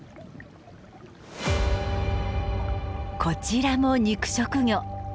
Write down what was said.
こちらも肉食魚。